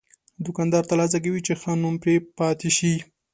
دوکاندار تل هڅه کوي چې ښه نوم پرې پاتې شي.